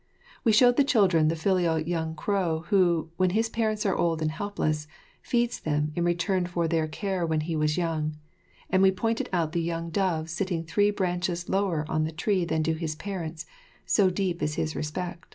We showed the children the filial young crow who, when his parents are old and helpless, feeds them in return for their care when he was young; and we pointed out the young dove sitting three branches lower on the tree than do his parents, so deep is his respect.